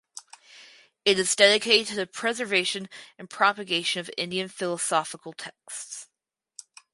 It is dedicated to the preservation and propagation of Indian philosophical texts.